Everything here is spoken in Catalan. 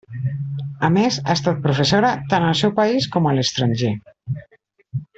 A més, ha estat professora, tant al seu país com a l'estranger.